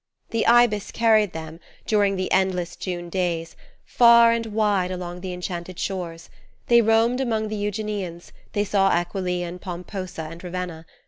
The Ibis carried them, during the endless June days, far and wide along the enchanted shores; they roamed among the Euganeans, they saw Aquileia and Pomposa and Ravenna.